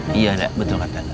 hmm iya nek betul katanya